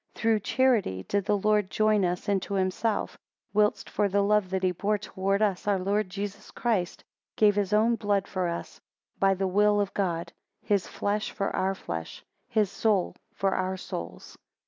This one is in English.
7 Through charity did the Lord join us into himself; whilst for the love that he bore towards us, our Lord Jesus Christ gave his own blood for us, by the will of God; his flesh for our flesh; his soul for our souls.